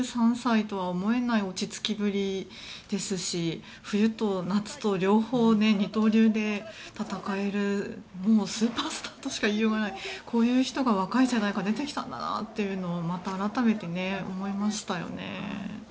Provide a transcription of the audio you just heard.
２３歳とは思えない落ち着きぶりですし冬と夏と両方、二刀流で戦えるスーパースターとしか言いようがないこういう人が若い世代から出てきたんだなというのをまた改めて思いましたよね。